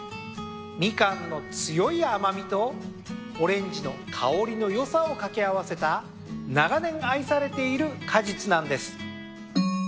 ミカンの強い甘みとオレンジの香りの良さを掛け合わせた長年愛されている果実なんです。